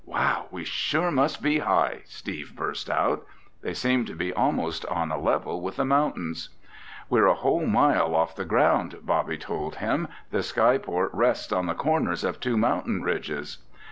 "Wow, we sure must be high!" Steve burst out. They seemed to be almost on a level with the mountains. "We're a whole mile off the ground," Bobby told him. "The skyport rests on the corners of two mountain ridges."